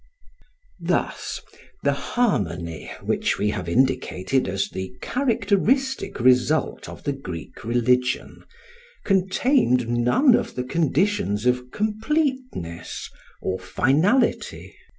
Thus the harmony which we have indicated as the characteristic result of the Greek religion contained none of the conditions of completeness or finality.